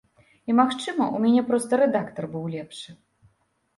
І, магчыма, у мяне проста рэдактар быў лепшы.